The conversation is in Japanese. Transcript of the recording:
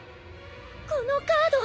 このカード。